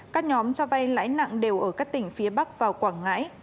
các nhóm cho vay lãi nặng đều ở các tỉnh phía bắc và quảng ngãi